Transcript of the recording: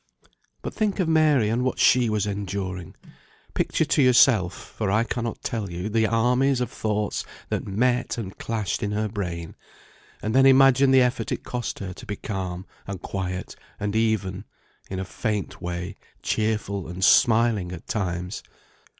But think of Mary and what she was enduring! Picture to yourself (for I cannot tell you) the armies of thoughts that met and clashed in her brain; and then imagine the effort it cost her to be calm, and quiet, and even, in a faint way, cheerful and smiling at times.